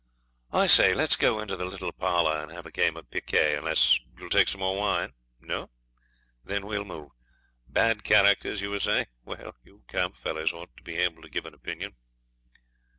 'I say, let's go into the little parlour and have a game of picquet, unless you'll take some more wine. No? Then we'll move. Bad characters, you were saying? Well, you camp fellows ought to be able to give an opinion.'